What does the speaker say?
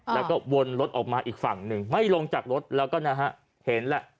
แล้วก็วนรถออกมาอีกฝั่งหนึ่งไม่ลงจากรถแล้วก็นะฮะเห็นแหละ